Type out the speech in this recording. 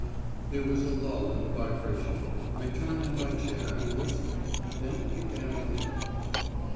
There was a lull in the vibration. I turned in my chair, and listened. Then it began again.